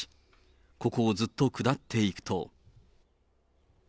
ここをずっと下っていくと。